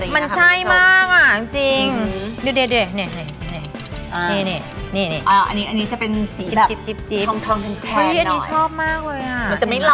มันจะไม่เหล่า